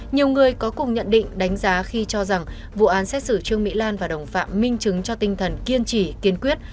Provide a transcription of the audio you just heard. nhiều người có cùng nhận định đánh giá khi cho rằng vụ án xét xử trương mỹ lan và đồng phạm minh chứng cho tinh thần kiên trì kiên quyết